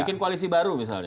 bikin koalisi baru misalnya